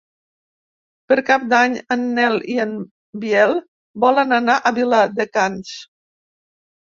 Per Cap d'Any en Nel i en Biel volen anar a Viladecans.